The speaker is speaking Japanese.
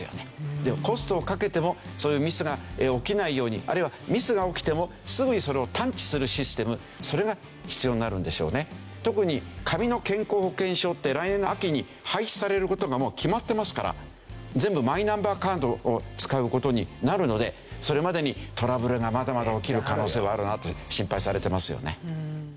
でもコストをかけてもそういうミスが起きないようにあるいはミスが起きても特に紙の健康保険証って来年の秋に廃止される事がもう決まってますから全部マイナンバーカードを使う事になるのでそれまでにトラブルがまだまだ起きる可能性はあるなと心配されてますよね。